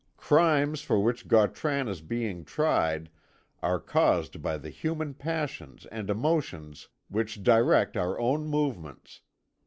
Crimes for which Gautran is being tried are caused by the human passions and emotions which direct our own movements.